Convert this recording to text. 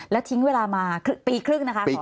แล้วทิ้งเวลามาปีครึ่งนะคะ